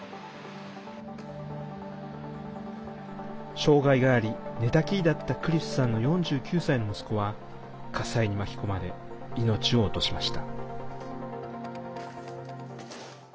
障害があり、寝たきりだったクリシュさんの４９歳の息子は火災に巻き込まれ命を落としました。